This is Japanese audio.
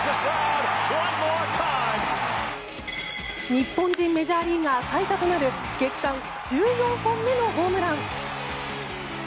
日本人メジャーリーガー最多となる月間１４本目のホームラン。